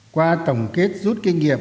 qua tổng kết rút kinh nghiệm